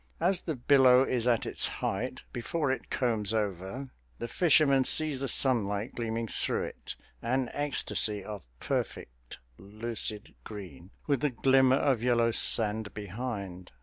As the billow is at its height, before it combs over, the fisherman sees the sunlight gleaming through it an ecstasy of perfect lucid green, with the glimmer of yellow sand behind.